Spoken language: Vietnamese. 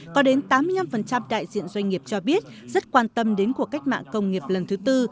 có đến tám mươi năm đại diện doanh nghiệp cho biết rất quan tâm đến cuộc cách mạng công nghiệp lần thứ tư